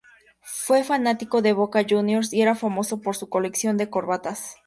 Fue fanático de Boca Juniors y era famoso por su colección de corbatas.